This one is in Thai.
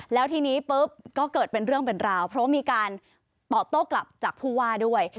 แล้วทีนี้ปุ๊บก็เกิดเป็นเรื่องเป็นราวเพราะว่ามีการตอบโต้กลับจากผู้ว่าด้วย